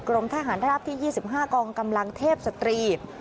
กรมทหารราบที่๒๕กองกำลังเทพสตรี